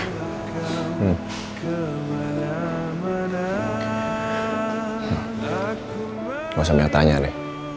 gak usah banyak tanya nih